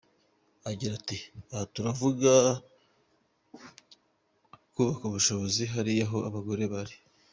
Agira ati “Aha turavuga kubaka ubushobozi hariya aho abagore bari.